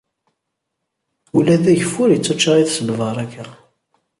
Ula d ageffur ittaččar-it s lbarakat.